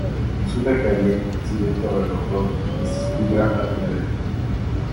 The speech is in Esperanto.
En suda kaj okcidenta Eŭropo estis pli granda toleremo.